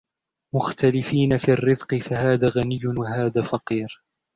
مُخْتَلِفِينَ فِي الرِّزْقِ فَهَذَا غَنِيٌّ وَهَذَا فَقِيرٌ